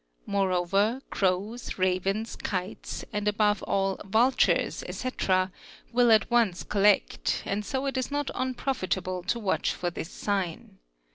Moreover crows, wens, kites, and above all vultures, etc., will at once collect and so it not unprofitable to watch for this sign.